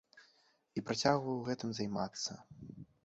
І працягваю гэтым займацца.